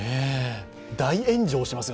大炎上しますよ